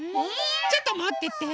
ちょっともってて。